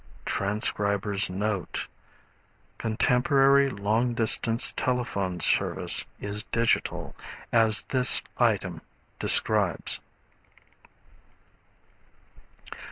[Transcriber's note: Contemporary long distance telephone service is digital, as this item describes.